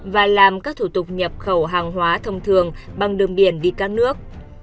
và làm các thủ tục nhập khẩu hàng hóa thông thường bằng đường biển đi các nước